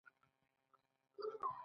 کلوروفیل د نبات لپاره څه ګټه لري